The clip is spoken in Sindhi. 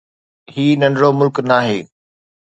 هي ننڍڙو ملڪ ناهي.